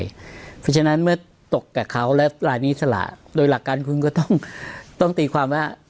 เพราะฉะนั้นเมื่อตกกับเขาและรายนี้สละโดยหลักการคุณก็ต้องตีความว่า